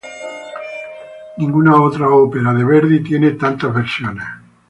Ninguna otra ópera de Verdi tiene tantas versiones.